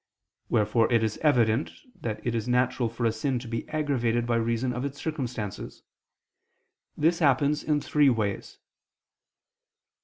Wherefore it is evident that it is natural for a sin to be aggravated by reason of its circumstances. This happens in three ways.